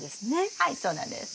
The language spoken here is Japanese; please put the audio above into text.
はいそうなんです。